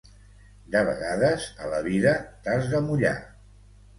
De vegades, a la vida, t'has de mullar.